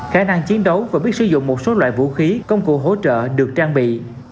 khả năng chiến đấu và biết sử dụng một số loại vũ khí công cụ hỗ trợ được trang bị